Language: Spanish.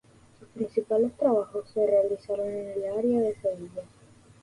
Sus principales trabajos se realizaron en el área de Sevilla.